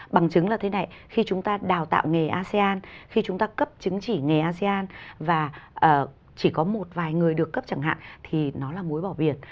bằng chứng là thế này khi chúng ta đào tạo nghề asean khi chúng ta cấp chứng chỉ nghề asean và chỉ có một vài người được cấp chẳng hạn thì nó là muối bỏ biển